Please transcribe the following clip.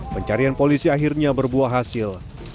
pencarian polisi akhirnya berbuah hasil